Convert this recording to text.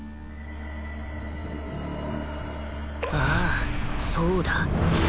ああそうだ